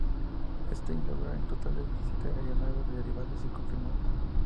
Epstein logró un total de diecisiete aeronaves derribadas y confirmadas.